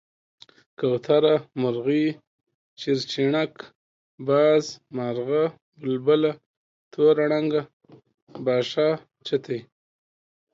کوتره، مرغۍ، چيرچيڼک، باز، مارغه ،بلبله، توره ڼکه، باښه، چتی،